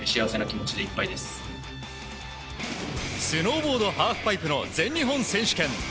スノーボード・ハーフパイプの全日本選手権。